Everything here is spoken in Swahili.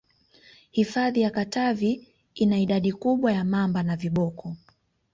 hifadhi ya katavi ina idadi kubwa ya mamba na viboko